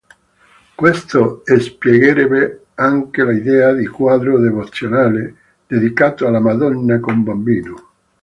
Questo spiegherebbe anche l'idea di quadro devozionale, dedicato alla Madonna con Bambino.